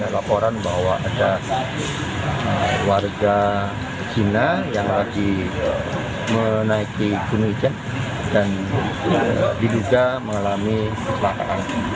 laporan bahwa ada warga cina yang lagi menaiki gunung ijen dan diduga mengalami kecelakaan